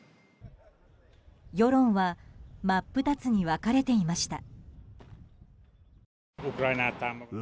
世論は真っ二つに分かれていました。